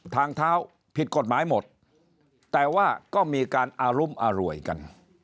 ทางเท้าผิดกฎหมายหมดแต่ว่าก็มีการอารุมอร่วยกัน